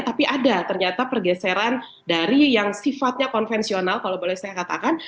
tapi ada ternyata pergeseran dari yang sifatnya konvensional kalau boleh saya katakan